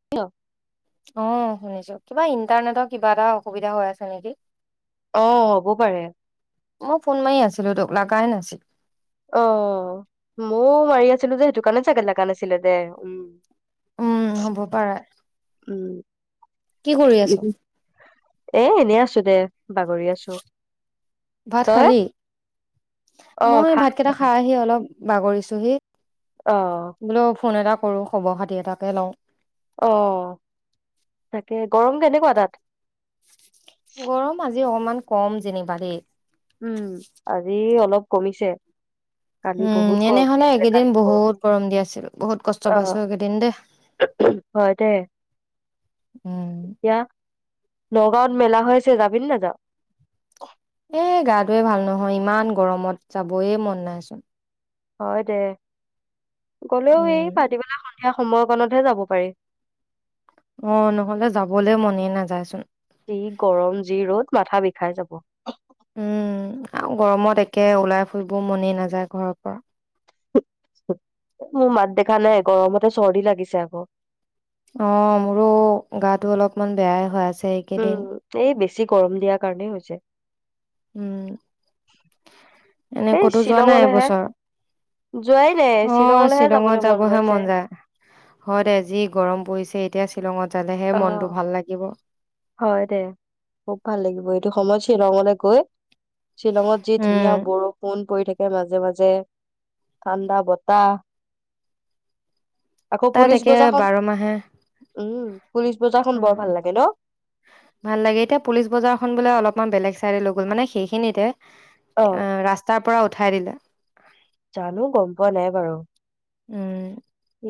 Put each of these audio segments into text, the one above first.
Hello. অ', শুনিছো কিবা ইণ্টাৰনেটৰ কিবা এটা অসুবিধা হৈ আছে নেকি? অ', হ'ব পাৰে। মই ফোন মাৰি আছিলো তোক, লাগাই নাছিল। অ', ময়ো মাৰি আছিলো যে, সেইটো কাৰণে চাগে লাগা নাছিলে দে উম। উম, হ'ব পাৰে। উম। কি কৰি আছ? এ, এনেই আছো দে। বাগৰি আছো ভাত তই। খালি? অ মই খাল ভাত কেইটা খাই আহি অলপ বাগৰি চুহি। অ বোলো ফোন এটা খবৰ খাতি এটাকে লওঁ। অ', তাকে গৰম কেনেকুৱা তাত? গৰম আজি অকমান কম যেনিবা দেই। উম, আজি অলপ কমিছে। কালি উম, বহুত গৰম দি এনেহ'লে আছিলে কালি এইকেইদিন পৰহি বহুত গৰম দি আছিল বহুত কষ্ট অ পাইছো এইকেইদিন দেই। হয় দে উম [unintelligible] নগাঁৱত মেলা হৈ আছে যাবি নে নাযাওঁ? এ, গাটোৱে ভাল নহয় ইমান গৰমত যাবয়ে মন নাইচোন। হয়, দে। গ'লেও উম এই ভাটি বেলা সন্ধিয়া সময়কণতহে যাব পাৰি। অ' নহ'লে যাবলৈ মনেই নাযায় চোন। যি গৰম যি ৰ'দ মাথা বিষাই যাব। উম আৰু গৰমত একে ওলাই ফুৰিব মনেই নাযায় ঘৰৰ পৰা। মোৰ মাত দেখা নাই গৰমতে চৰ্দি লাগিছে আকৌ। অ' মোৰো গা টো অলপমান বেয়াই হৈ আছে। এইকেইদিন উম এই বেছি গৰম দিয়াৰ কাৰণেই হৈছে। উম এনে এই ক'তো যোৱা নাই শ্বিলঙলৈহে এবছৰ? যোৱাই নাই অ' শ্বিলঙলৈহে শ্বিলঙত যাবলৈ যাবহে গৈছে মন যায় হয় তে আজি গৰম পৰিছে এতিয়া। শ্বিলঙত যালেহে অ মনটো ভাল লাগিব। হয় দে খুব ভাল লাগিব এইটো সময়ত শ্বিলঙলৈ গৈ। শ্বিলঙত যি উম ধুনীয়া বৰষুণ। পৰি থাকে মাজে মাজে ঠাণ্ডা বতাহ। আকৌ তাত পুলিচ একে বজাৰখন বাৰ মাহে উম পুলিচ বজাৰখন উম বৰ ভাল লাগে ন? ভাল লাগে এতিয়া পুলিচ বজাৰখন বোলে অলপমান বেলেগ চাইড লৈ গ'ল মানে সেইখিনিতে। এ অ ৰাস্তাৰ পৰা উঠাই দিলে জানো গম পোৱা নাই বাৰু উম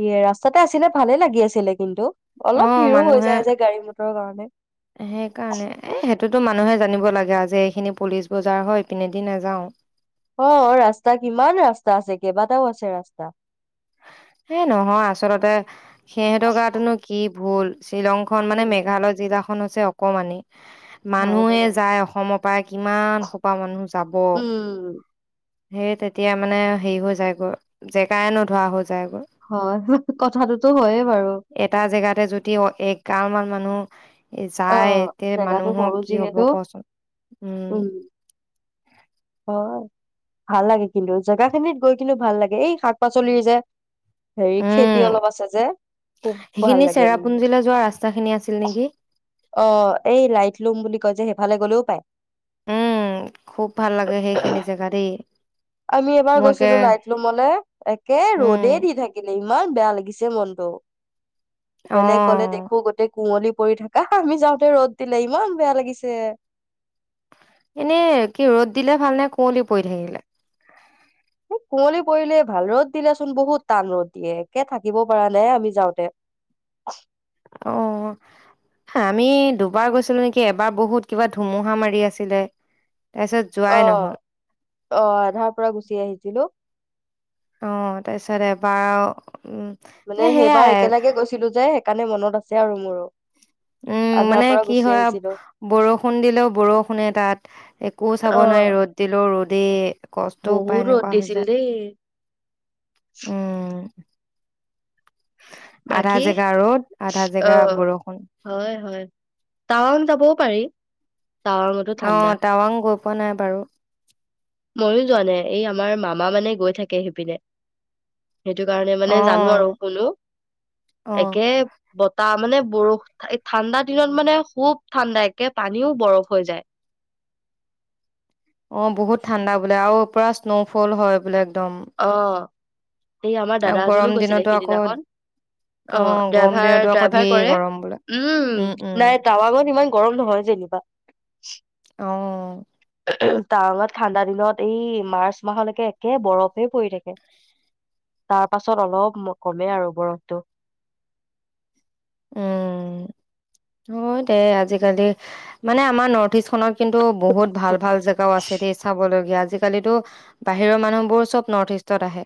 ই ৰাস্ত তাতে আছিলে ভালে লাগি আছিলে কিন্তু অ অলপ ভিৰো হৈ মানুহে যায় যে গাড়ী মটৰৰ কাৰণে সেইকাৰণে এ সেইটোতো মানুহে জানিব লাগে এইয়া যে এইখিনি পুলিচ বজাৰ হয় এই পিনে দি নেযাও অ ৰাস্তা কিমান ৰাস্তা আছে কেইবাটাও আছে ৰাস্তা এ নহয় আচলতে সিহঁতৰ গাটনো কি ভোল শ্বিলং খন মানে উম মেঘালয় জিলা সেই খন হৈছে অকণমানি হয় দে মানুহে যায় অসমত পাই কিমান সোপা মানুহ যাব উম সেই তেতিয়া মানে হেৰি হৈ যায় গৈ জেগাই নধৱা হ'ল যায় ক হয় কথাটোতো হয়ে বাৰু এটা জেগাতে যদি একগাল মান মানুহ এ অ যায় এতিয়া জেগাটো মানুহৰ সৰু কি হ'ব যিহেতু কচোন উম অ ভাল লাগে কিন্তু জেগা খিনিত গৈ কিন্তু ভাল লাগে এই শাক পাচলি যে হেৰি উম খেতি অলপ আছে যে খুব ভাল সেইখিনি লাগে মানে চেৰাপুঞ্জীলৈ যোৱা ৰাস্তা খিনি আছিল নেকি অ এই লাইট লুম বুলি কয় যে সেইফালে গলেও পায় উম খুব ভাল লাগে সেইখিনি জেগা দেই আমি এবাৰ মই একে গৈছিলোঁ লাইট ৰুমলে একে উম, ৰ'দেই দি থাকিলে ইমান বেয়া লাগিছে মনটো বেলেগ গ'লে অ', দেখো গোটেই কুঁৱলী পৰি থাকা আমি যাওঁতে ৰ'দ দিলে ইমান বেয়া লাগিছে এনেই কি ৰ'দ দিলে ভাল নে কুঁৱলী পৰি থাকিলে এই কুঁৱলী পৰিলে ভাল ৰ'দ দিলেচোন বহুত টান ৰ'দ দিয়ে একে থাকিব পৰা নাই আমি যাওঁতে অ হা আমি দুবাৰ গৈছিলো নেকি এবাৰ বহুত কিবা ধুমুহা মাৰি আছিলে তাৰপিছত অ যোৱাই নহ'ল। আহ আধাৰ পৰা গুচি আহিছিলোঁ অ তাৰপিছত এবাৰ উম, মানে এ সেইবাৰ সেয়াই একেলগে গৈছিলোঁ যে সেই কাৰণে মনত আছে আৰু মোৰো উম আধাৰ মানে পৰা কি গুচি হয় আহিছিলো। বৰষুণ দিলেও বৰষুণে তাত একো চাব নোৱাৰে অ', ৰ'দ দিলেও ৰ'দেই কষ্ট বহুত উপায় ৰ'দ এনেকুৱা হৈ দিছিল যায় দেই উম আধা বাকী জেগা ৰ'দ আধা জেগা অ বৰষুণ। হয় হয় টাউন যাবও পাৰি টাৱাঙতো অ ঠাণ্ডা। তাৱাং পোৱা নাই বাৰু ময়ো যোৱা নাই এই আমাৰ মামা মানে গৈ থাকে সেইপিনে। সেইটো কাৰণে অ মানে জানো আৰু শুনো অ একে বতাহ মানে বৰষুণ ঠাণ্ডা দিনত মানে খুব ঠাণ্ডা একে পানীও বৰফ হৈ যায়। অ বহুত ঠাণ্ডা বোলে আৰু পৰা স্ন'ফল হয় বোলে একদম আহ এই আমাৰ আৰু দাদা এজনো গৰম গৈছিলে দিনতো আকৌ সিদিনাখন অ আহ গৰম ড্ৰাইভাৰ দিনতো আকৌ ড্ৰাইভাৰ ঢেৰ কৰে। গৰম বোলে উম, নাই টাৱাংত ইমান গৰম নহয় যেনিবা। অ তাৱাংত ঠাণ্ডা দিনত এই মাৰ্চ মাহলৈকে একে বৰফ পৰি থাকে তাৰ পাছত অলপ কমে আৰু বৰফটো অ দে আজিকালি মানে আমাৰ নৰ্থ ইষ্ট খত কিন্তু বহুত ভাল ভাল জেগাও আছে দে চাবলগীয়া আজিকালিতো বাহিৰৰ মানুহবোৰ চব নৰ্থ ইষ্টত আহে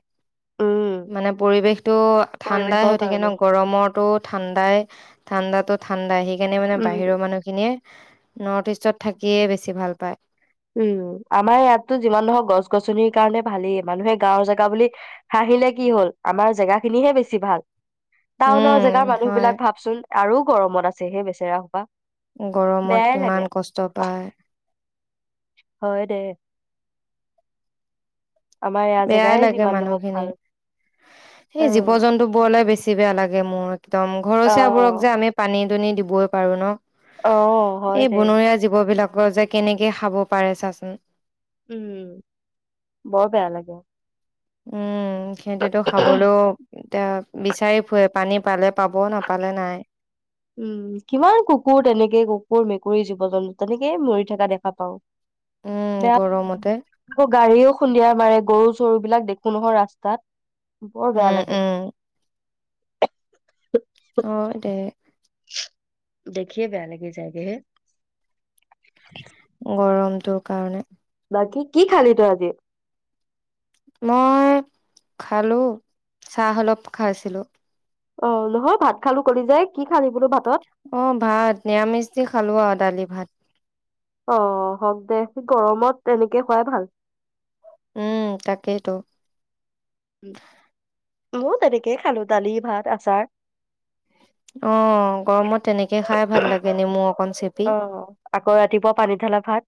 উম মানে পৰিৱেশতটো ঠাণ্ডাই পৰিৱেশৰ হৈ থাকে ন কাৰণে গৰমটো ঠাণ্ডায় ঠাণ্ডাটো ঠণ্দাাহিক সেইকাৰনে মানে উম বাহিৰৰ মানুহ খিনিয়ে নৰ্থ ইষ্টত থাকিয়ে বেছি ভাল পায়। উম, আমাৰ ইয়াততো যিমান নহওক গছ গছনিৰ কাৰণে ভালেই মানুহে গাঁৱৰ জেগা বুলি হাঁহিলে কি হল আমাৰ জেগা খিনিহে বেছি ভাল। টাউনৰ উম জেগাৰ মানুহ হয় বিলাক ভাবচোন আৰু গৰমত আছেহে বেচেৰা সোপা গৰমত বেয়াই লাগে। কিমান কষ্ট পায়। হয় দে। আমাৰ ইয়াৰ বেয়াই জেগাই লাগে যিমান নহওক ভাল। মানুহখিনিৰ সেই জীৱ অ', জন্তু বোৰলে বেছি বেয়া লাগে মোৰ একদম ঘৰচীয়াবোৰক যে, অ', আমি পানীত আনি দিবই পাৰোঁ ন? অ', হয় এই দে বনৰীয়া জীৱ বিলাক যে, কেনেকে খাব পাৰে চাচোন। উম, বৰ বেয়া লাগে। উম। সিহঁতেতো খাবলয়ো অ', এতিয়া বিচাৰি ফুৰে পানী পালে পাব নাপালে নাই উম, কিমান কুকুৰ তেনেকে কুকুৰ, মে কুৰি জীৱ জন্তু তেনেকেই মৰি থকা দেখা পাওঁ। উম, গৰমতে। গাড়ীয়ো খুন্দিয়াই মাৰে গৰু, চৰু বিলাক দেখো নহয় ৰাস্তাত। বৰ বেয়া উম লাগে। উম হয়, দে। দেখিয়ে বেয়া লাগে যায়গে হে [unintelligible] গৰমটোৰ কাৰণে বাকী কি খালি তহতি মই খালো চাহ অলপ খাইছিলো অ নহয় ভাত খালো কলি যে কি খালি বোলো ভাত অ ভাত নিৰামিচি দি খালোঁ আৰু দালি ভাত অ হওক দে গৰমত তেনেকে খোৱাই ভাল উম তাকেইটো মৱো তেনেকেই খালো দালি ভাত আচাৰ অ গৰমত তেনেকে খাই ভাল লাগে নেমু অকন চেপি অ আকৌ ৰাতিপুৱা পানী ধালা ভাত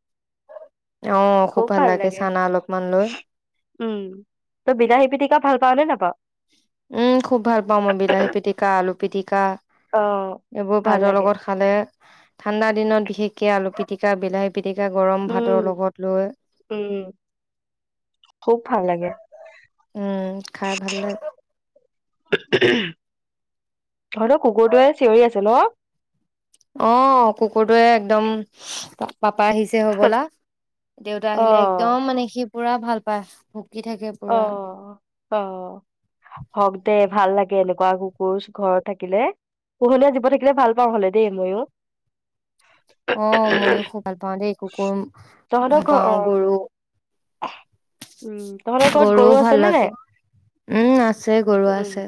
অ খুব ভাল লাগে চানা অলপমান লৈ উম তই বিলাহী পিটিকা ভাল পাঁও নে নেপাঁও উম খুব ভাল পাওঁ মই বিলাহী পিটিকা আলু পিটিকা এইবোৰ ভাল ভাতৰ লাগে। লগত খালে ঠাণ্ডা দিনত বিশেষকে আলু পিটিকা বিলাহী পিটিকা গৰম উম ভাতৰ লগত লৈ উম খুব ভাল লাগে। উম খাই ভাল লাগে তহঁত কুকুৰটোৱে চিঞৰি আছে ন অ কুকুৰটোয়ে একদম পাপা আহিছে হবলা দেউতা অ আহিলে একদম মানে সি পুৰা ভাল পায় থাকে অ পুৰা অ হওক দে ভাল লাগে এনেকুৱা কুকুৰ ঘৰত থাকিলে পোহনীয়া জীৱ থাকিলে ভাল পাওঁ হ'লে দেই মইয়ো অ মইয়ো খুব ভাল পাওঁ দেই কুকুৰ তহঁতৰ ভাল ঘৰ পাওঁ অ গৰু উম তহঁতৰ ঘৰত গৰু গৰুও আছে ভাল নে নাই? লাগে উম আছে গৰু উম আছে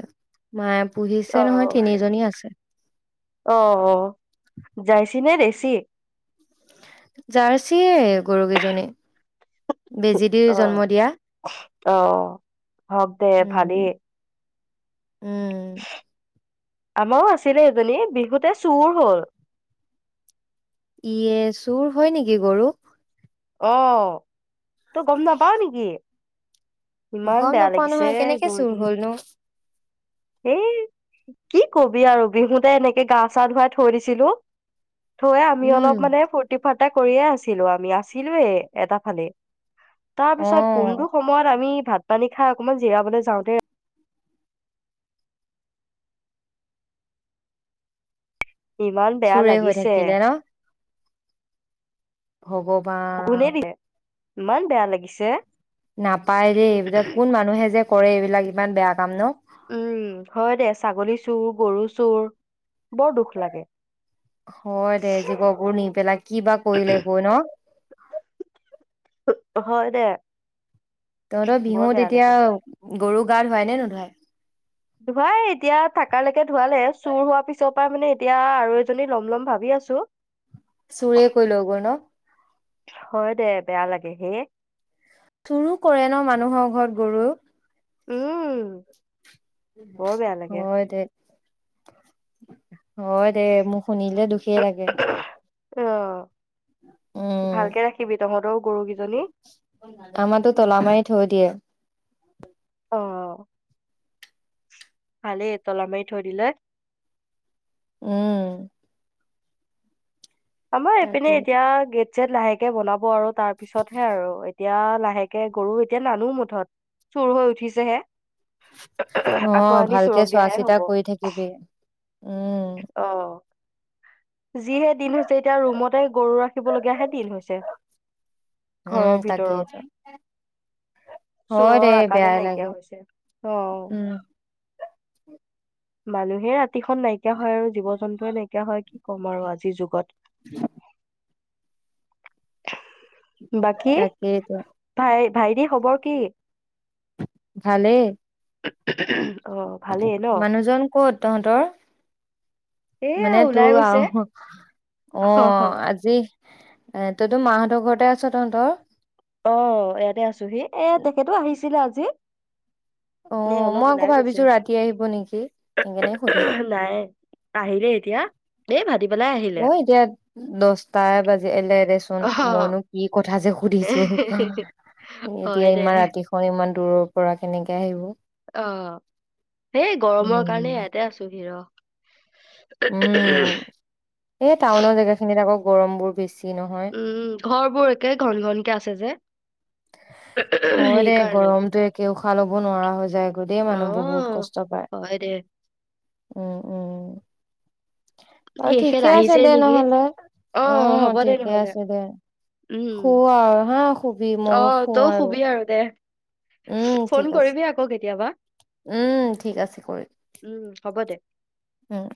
মায়ে অ পুহিছে নহয় তিনিজনী আছে অ যাইছি নে দেছি জাৰ্চিয়ে গৰুকেইজনী বেজী দি জন্ম আহ দিয়া আহ হক দে উম ভালেই উম আমাৰও আছিলে এজনী বিহুতে চুৰ হল ইয়ে চুৰ হয় নেকি গৰু অ তই গম নাপাৱ নেকি ইমান গম বেয়া নাপাও লাগিছে নহয় কেনেকে চুৰ গৰুজনী হলনো হেই কি কবি আৰু বিহুতে এনেকে গা, চা ধুৱাই থৈ দিছিলোঁ। থৈ আমি উম অলপ মানে ফূৰ্তি ফা এটা কৰিয়ে আছিলো আমি আ চিলোবে এটা ফালি তাৰ অ পিছত কোনটো সময়ত আমি ভাত পানী খাই অকনমান জিৰাবলৈ যাওঁতে ইমান বেয়া চোৰে হৈ লাগিছে থাকিলে ন'। শগুনে ভগৱান দিলে ইমান বেয়া লাগিছে। নাপায় দেই এইবিলাক কোন মানুহে যে কৰে এইবিলাক ইমান বেয়া কাম ন'। উম হয় দে ছাগলী চুৰ, গৰু চুৰ, বৰ দুখ লাগে। হয় দে, জীৱ বোৰ নি পেলাই কি বা কৰিলে গৈ ন'। হয় দে। তহঁতৰ বৰ বিহুত বেয়া লাগে। এতিয়া গৰু গা ধোৱাই নে নুধুৱাই? ধুৱাই এতিয়া থাকালৈকে ধুৱালে চুৰ হোৱাৰ পিছৰ পৰা মানে এতিয়া আৰু এজনী লম লম ভাবি আছো। চুৰে কৰি লৈ গ'ল ন'। হয় দে, বেয়া লাগে হেই। চুৰো কৰে ন' মানুহৰ ঘৰত গৰু। উম। বৰ বেয়া লাগে হয় দে। হয় দে ম শুনিলে দুখেই লাগে। আহ। গৰুকেইজনী উম আমাৰো তলা মাৰি থৈ দিয়ে। উ অ' ভালেই তলা মাৰি থৈ দিলে। উম। আম পিনে তাকেইতো। এতিয়া গেট যে পিছত লাহেকে বনাব আৰু তাৰ পিছতহে আৰু এতিয়া লাহেকে গৰু এতিয়া নানো মুঠত চুৰ হৈ উঠিছেহে। আকৌ অ' আনি ভালকে চোৰক চোৱা দিয়াহে চিতা হ'ব কৰি থাকিবি উম। অ যিহে দিন হৈছে এতিয়া ৰুমতে গৰু ৰাখিবলগীয়াহে দিন হৈছে উম, ঘৰৰ ভিতৰত তাকেইতো। হয় দে চোৰৰ আকালে বেয়াই লাগে। নাইকিয়া হৈছে আহ। উম, মানুহে ৰা কাতিখন নাইকিয়া হয় আৰু জীৱ জন্তুৱে নাইকিয়া হয় কি ক'ম আৰু আজিৰ যুগত [inaudible] বাকী তাকেইতো। ভাই ভাইটি খবৰ কি? ভালেই। অ', ভালেই ন? মানুহজন ক'ত তহঁতৰ? এয়া মানে ওলাই তোৰ গৈছে। আৰু অ', আজি এ, তইতো মাহঁতৰ ঘৰতে আছ তহঁতৰ? অ', ইয়াতে আছো সি এ, তেখেতো আহিছিলে আজ জি অ', মই আকৌ ভাবিছোঁ ৰাতি আহিব নেকি সেইকাৰণে সুধিলোঁ। নাই আহিলে এতিয়া এই ভাটি বেলাই আহিলে। অ', এতিয়া দচটা বাজিলে দেচোন অ' মইনো কি কথা যে সুধিছোঁ, হয় এতিয়া দে ইমান ৰাতিখন ই দূৰৰ পৰা কেনেকে আহিব? অ', সেই গৰমৰ উম কাৰণে ইয়াতে আছোহি ৰ উম, এই টাউনৰ জেগা খিনিত আকৌ গৰমবোৰ বেছ উম, ঘৰ বোৰ একে ঘন, ঘন। কে আছে যে। হয় দে সেইকাৰণে। গৰমটো একেও উশাহ ল'ব নোৱাৰা হৈ যায়। গোটে মানুহবোৰ বহুত অ' কষ্ট পায়। হয় দে অ', অ'। বাৰু এখেত ঠিকে আছে আহিছে দে নেকি নহ'লে অ' অহ, হ'ব দে ঠিকে নহ'লে। আছে দে উম শু আৰু হা শুবি ময়ো অ' শুম তইও আৰু। শুবি দে। উম ঠিক ফোন আছে কৰিবি আকৌ কেতিয়াবা উম, ঠিক আছে কৰি উম, হ'ব দে। উম।